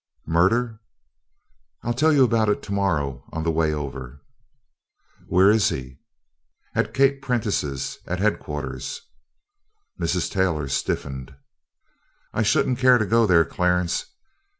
"Murder!" "I'll tell you about it to morrow on the way over." "Where is he?" "At Kate Prentice's at headquarters." Mrs. Taylor stiffened. "I shouldn't care to go there, Clarence."